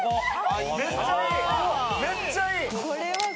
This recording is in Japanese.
めっちゃいい！